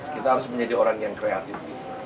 kita harus menjadi orang yang kreatif